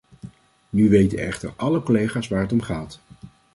Nu weten echter alle collega's waar het om gaat.